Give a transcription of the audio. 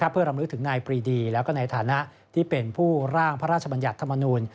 เพื่อรำลึกถึงนายปรีดีแล้วก็ในฐานะที่เป็นผู้ร่างพระราชบัญญัติธรรมนูล